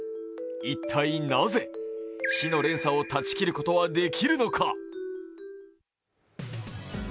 一体なぜ、死の連鎖を断ち切ることはできるのか。